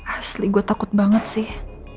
asli gue takut banget sih